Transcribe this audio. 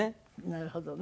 なるほどね。